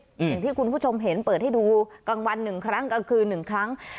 อย่างที่คุณผู้ชมเห็นเปิดให้ดูกลางวันหนึ่งครั้งกลางคืนหนึ่งครั้ง